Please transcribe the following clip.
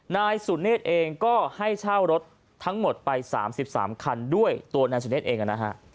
นายสุเนธเองก็ให้เช่ารถทั้งหมดไป๓๓คันด้วยตัวนายสุเนธเองนะฮะ